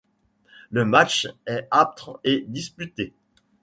Le match est âpre et disputé.